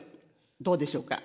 どうでしょうか？